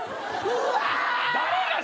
うわ！